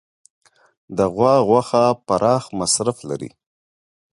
د غوا غوښه پراخ مصرف لري.